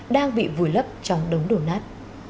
đang bị vùi lấp trong đống đổ nát